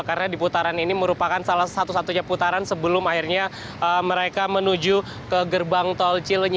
karena di putaran ini merupakan salah satu satunya putaran sebelum akhirnya mereka menuju ke gerbang tol cilengi